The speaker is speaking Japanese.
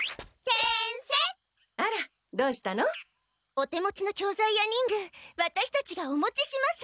お手持ちの教材や忍具ワタシたちがお持ちします。